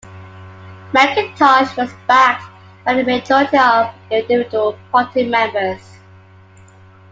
Macintosh was backed by the majority of individual party members.